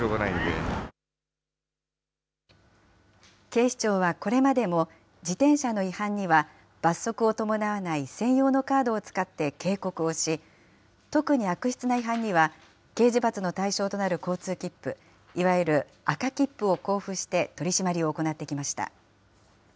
警視庁は、これまでも自転車の違反には、罰則を伴わない専用のカードを使って警告をし、特に悪質な違反には、刑事罰の対象となる交通切符、いわゆる赤切符を交付して、取締りを行ってきました。